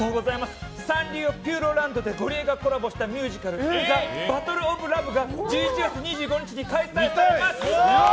サンリオピューロランドとゴリエがコラボしたミュージカル「ＴＨＥＢＡＴＴＬＥＯＦＬＯＶＥ」が１１月２５日に開催されます！